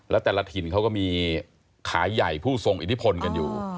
แล้วแต่ละถิ่นเขาก็มีขายใหญ่ผู้ทรงอิทธิพลกันอยู่